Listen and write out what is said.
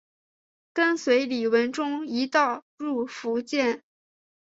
跟随李文忠一道入福建。